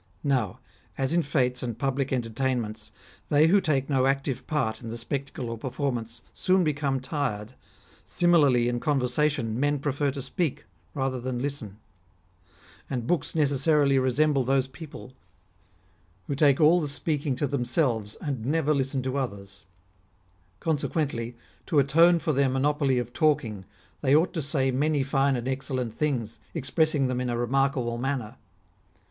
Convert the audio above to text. Now, as in fetes and public entertainments, they who take no active part in the spectacle or performance soon become tired, similarly in conversation men prefer to speak rather than listen. And books necessarily resemble those people who take PHILIP OTTONIERI. 121 all the speaking to themselves, and never listen to others. Consequently, to atone for their monopoly of talking, they ought to say many fine and excellent things, expressing them in a remarkable manner.